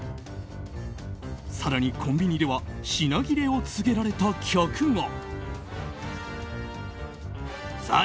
更にコンビニでは品切れを告げられた客が。